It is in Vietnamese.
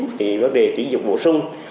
thì vấn đề chuyển dụng bổ sung